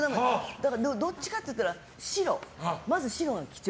だから、どっちかと言ったら白、まず白が基調。